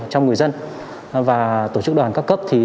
trong người dân và tổ chức đoàn cao cấp